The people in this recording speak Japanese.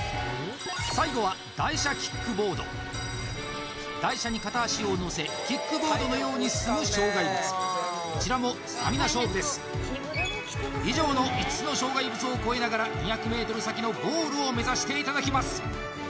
最後は台車に片脚をのせキックボードのように進む障害物こちらもスタミナ勝負です以上の５つの障害物を越えながら２００ｍ先のゴールを目指していただきます